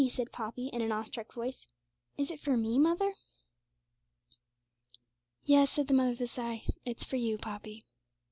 said Poppy, in an awestruck voice. 'Is it for me, mother?' 'Yes,' said the mother, with a sigh; 'it's for you, Poppy.'